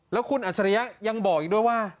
แล้วคุณอัจฉริยะยังบอกอีกด้วยว่า